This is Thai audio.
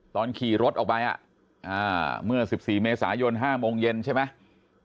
ตอนขี่รถออกไปเมื่อ๑๔เมษายน๕โมงเย็นใช่ไหม